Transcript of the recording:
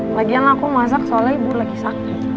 lagian aku masak soalnya ibu lagi sakit